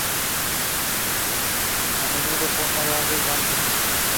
He is currently incarcerated at the Graceville Correctional Facility.